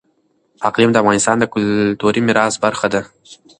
اقلیم د افغانستان د کلتوري میراث برخه ده.